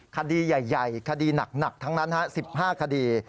คดีใหญ่คดีหนักทั้งนั้น๑๕คดี